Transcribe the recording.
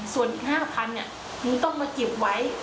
ส่วนอีก๕๐๐เนี่ยมึงต้องมาเก็บไว้